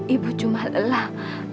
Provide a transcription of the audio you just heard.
ibu cuma lelah